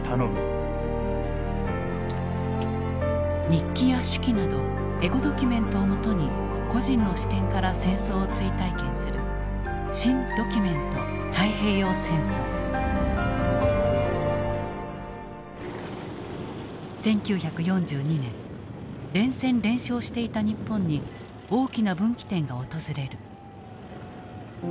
日記や手記などエゴドキュメントをもとに個人の視点から戦争を追体験する１９４２年連戦連勝していた日本に大きな分岐点が訪れる。